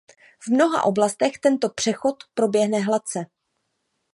V mnoha oblastech tento přechod proběhne hladce.